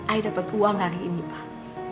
ai dapet uang hari ini pak